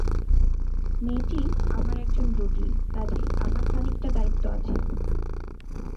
মেয়েটি আমার একজন রুগী, কাজেই আমার খানিকটা দায়িত্ব আছে।